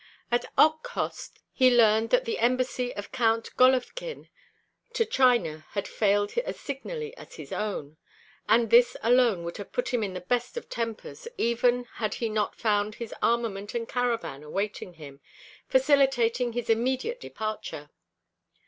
At Okhotsk he learned that the embassy of Count Golofkin to China had failed as signally as his own, and this alone would have put him in the best of tempers even had he not found his armament and caravan awaiting him, facilitating his immediate departure.